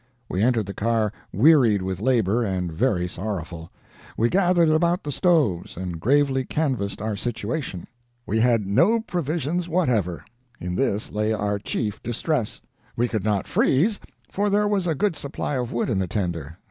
We entered the car wearied with labor, and very sorrowful. We gathered about the stoves, and gravely canvassed our situation. We had no provisions whatever in this lay our chief distress. We could not freeze, for there was a good supply of wood in the tender.